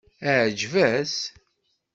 Iεǧeb-as?